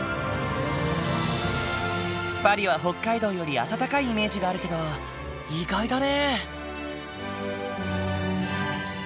パリは北海道より暖かいイメージがあるけど意外だね。